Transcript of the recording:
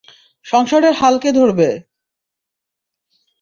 সংসারের হাল কে ধরবে?